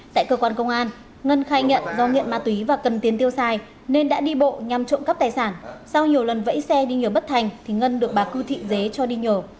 tại cơ quan công an ngân khai nhận do nghiện ma túy và cần tiến tiêu sai nên đã đi bộ nhằm trộm cắp tài sản sau nhiều lần vẫy xe đi nhờ bất thành thì ngân được bà cư thị dế cho đi nhờ